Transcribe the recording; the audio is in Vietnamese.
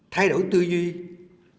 thay đổi tư duyên